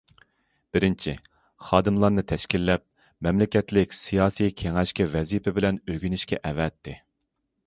بىرىنچى، خادىملارنى تەشكىللەپ مەملىكەتلىك سىياسىي كېڭەشكە ۋەزىپە بىلەن ئۆگىنىشكە ئەۋەتتى.